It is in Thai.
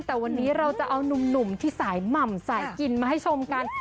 แต่วันนี้เราจะเอานุ่มที่สายหม่ำสายกินมาให้ชมกัน